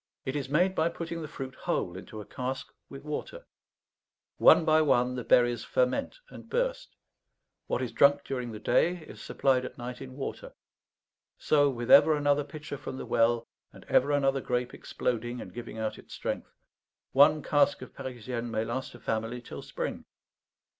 It is made by putting the fruit whole into a cask with water; one by one the berries ferment and burst; what is drunk during the day is supplied at night in water; so, with ever another pitcher from the well, and ever another grape exploding and giving out its strength, one cask of Parisienne may last a family till spring.